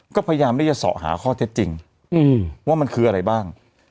ก็พยายามที่จะสอหาข้อเท็จจริงว่ามันคืออะไรบ้าง